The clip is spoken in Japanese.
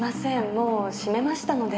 もう閉めましたので。